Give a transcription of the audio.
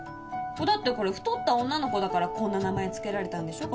だってこれ太った女の子だからこんな名前付けられたんでしょ